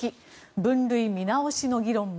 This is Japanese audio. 分類見直しの議論も。